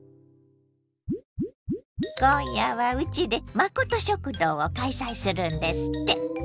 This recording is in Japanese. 今夜はうちで「まこと食堂」を開催するんですって！